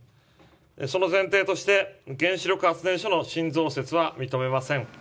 その前提として、原子力発電所の新増設は認めません。